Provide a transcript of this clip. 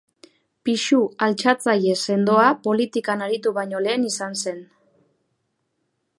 Pisu altxatzaile sendoa politikan aritu baino lehen izan zen.